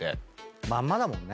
まんまだもんね。